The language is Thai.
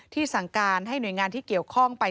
สั่งการให้หน่วยงานที่เกี่ยวข้องไป